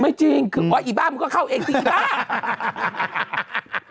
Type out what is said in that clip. ไม่จริงอ๋อไอ้บ้ามึงก็เข้าเองจริงบ้า